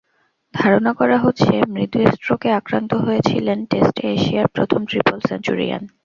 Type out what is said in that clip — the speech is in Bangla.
ধারণা করা হচ্ছে, মৃদু স্ট্রোকে আক্রান্ত হয়েছিলেন টেস্টে এশিয়ার প্রথম ট্রিপল সেঞ্চুরিয়ান।